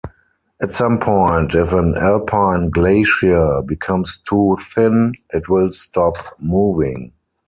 At some point, if an Alpine glacier becomes too thin it will stop moving.